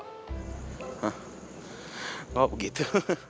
hah gak begitu